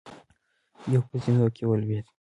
يو په زينو کې ولوېد.